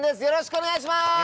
よろしくお願いします！